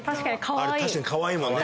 確かにかわいいもんね。